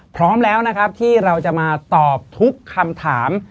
พร้อมแล้วนะครับที่เราจะมาตอบทุกคำถาม